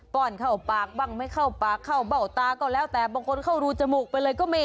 ้อนเข้าปากบ้างไม่เข้าปากเข้าเบ้าตาก็แล้วแต่บางคนเข้ารูจมูกไปเลยก็มี